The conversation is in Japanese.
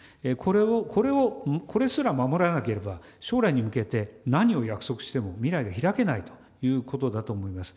これを、これすら守らなければ、将来に向けて何を約束しても未来が開けないということだと思います。